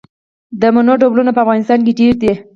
د مڼو ډولونه په افغانستان کې ډیر دي.